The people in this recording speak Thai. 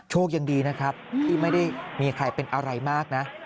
ยังดีนะครับที่ไม่ได้มีใครเป็นอะไรมากนะ